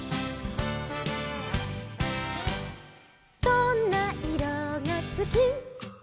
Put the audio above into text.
「どんないろがすき」「」